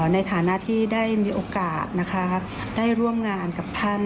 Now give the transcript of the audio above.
ในฐานะที่ได้มีโอกาสได้ร่วมงานกับท่าน